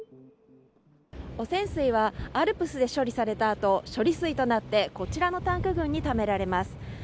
汚染水はＡＬＰＳで処理されたあと処理水となってこちらのタンクにためられます